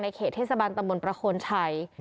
ในเขตเทศบรรษฐบลประภวณชัย